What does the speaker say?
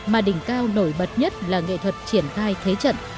mà đỉnh cao nổi bật nhất là nghệ thuật triển thai thế trận